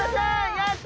やった！